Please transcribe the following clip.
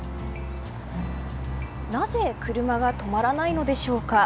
なぜ車が止まらないのでしょうか。